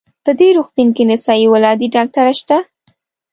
په دې روغتون کې نسایي ولادي ډاکټره شته؟